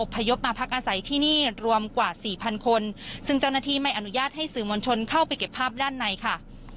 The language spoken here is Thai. พยพมาพักอาศัยที่นี่รวมกว่าสี่พันคนซึ่งเจ้าหน้าที่ไม่อนุญาตให้สื่อมวลชนเข้าไปเก็บภาพด้านในค่ะ